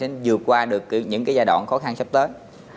để vượt qua được những cái giai đoạn khó khăn sắp tới